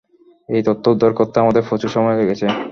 এই তথ্য উদ্ধার করতে আমাদের প্রচুর সময় লেগেছে।